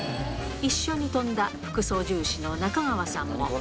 一緒に飛んだ副操縦士の中川さんも。